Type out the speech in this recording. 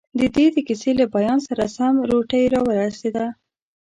دده د کیسې له بیان سره سم، روټۍ راورسېده.